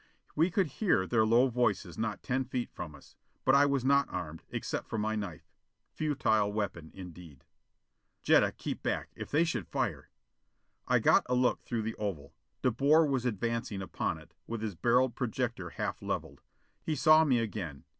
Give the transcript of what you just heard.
We could hear their low voices not ten feet from us. But I was not armed, except for my knife. Futile weapon, indeed. "Jetta, keep back. If they should fire "I got a look through the oval. De Boer was advancing upon it, with his barreled projector half levelled. He saw me again.